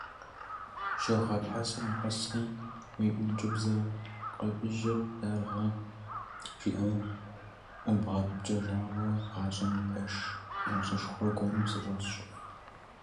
Жьыгъэ пасэр укъэсри, уи ӀункӀыбзэкъэбыжьыр «заргъэ!» жиӀэу ӀубгъэпкӀэжауэ, гъащӀэм и пэш нэщӀышхуэ гуэрым сыщӀэсщ…